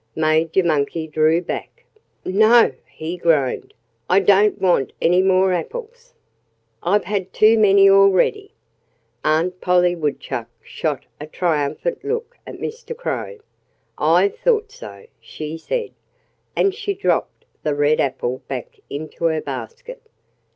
Major Monkey drew back. "No!" he groaned. "I don't want any more apples. I've had too many already." Aunt Polly Woodchuck shot a triumphant look at Mr. Crow. "I thought so," she said. And she dropped the red apple back into her basket.